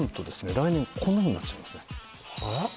来年こんなふうになっちゃうんですね